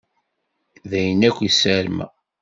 D ayen akk i ssarmeɣ.